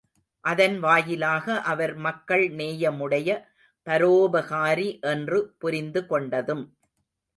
அதன் வாயிலாக அவர் மக்கள் நேயமுடைய பரோபகாரி என்று புரிந்து கொண்டதும்.